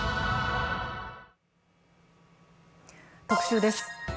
特集です。